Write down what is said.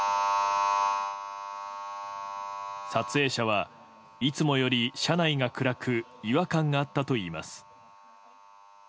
撮影者は、いつもより車内が暗く違和感があったといいます。